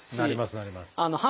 なりますなります。